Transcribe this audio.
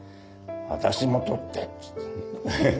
「私も撮って」って。